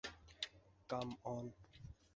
Come on!